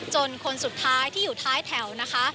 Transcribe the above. คนสุดท้ายที่อยู่ท้ายแถวนะคะ